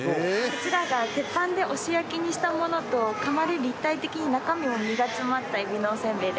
こちらが鉄板で押し焼きにしたものとかまで立体的に中身も身が詰まったえびのおせんべいでご用意しております。